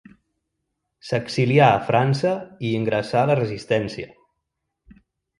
S'exilià a França i ingressà a la Resistència.